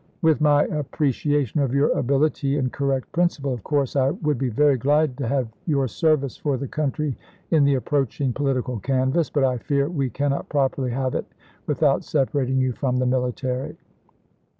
With my appreciation of your ability and correct principle, of course I would be very glad to have your service for the country in the approaching political canvass ; but I fear we cannot properly have it without separating you from the military."